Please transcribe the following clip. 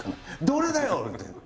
「どれだよ！？」